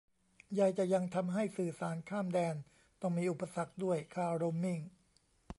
ใยจะยังทำให้สื่อสารข้ามแดนต้องมีอุปสรรคด้วยค่าโรมมิ่ง